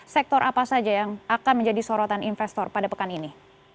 sektor apa saja yang akan menjadi sorotan investor pada pekan ini